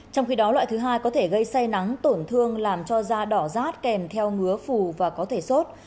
trong khi đó loại thứ hai có thể gây say nắng tổn thương làm cho da đỏ rát kèm theo ngứa phù và có thể sốt